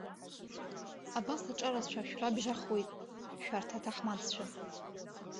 Абас аҿарацәа шәрабжьахуеит шәарҭ аҭаҳмадцәа.